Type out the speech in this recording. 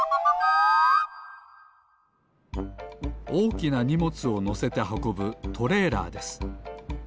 おおきなにもつをのせてはこぶトレーラーです。